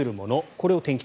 これを天気